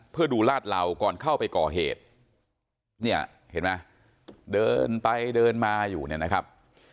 เพื่อดูลาดเหล่าก่อนเข้าไปก่อเหตุเนี่ยเห็นไหมเดินไปเดินมาอยู่เนี่ยนะครับ